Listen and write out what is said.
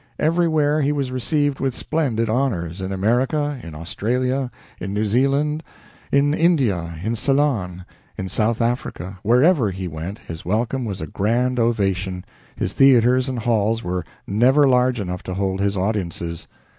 Everywhere he was received with splendid honors in America, in Australia, in New Zealand, in India, in Ceylon, in South Africa wherever he went his welcome was a grand ovation, his theaters and halls were never large enough to hold his audiences.